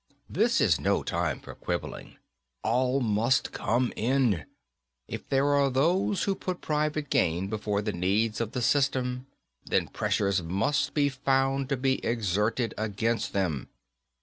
_This is no time for quibbling. All must come in. If there are those who put private gain before the needs of the system, then pressures must be found to be exerted against them.